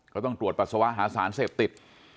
เขาต้องตรวจปัสสาวะหาสารเสพติด